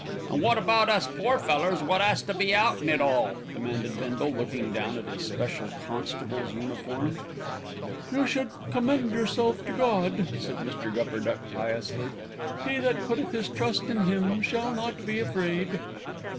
"An' wot about us pore fellers wot 'as to be out in it all?" demanded Bindle, looking down at his special constable's uniform. "You should commend yourself to God," said Mr. Gupperduck piously. "He that putteth his trust in Him shall not be afraid."